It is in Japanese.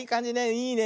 いいね。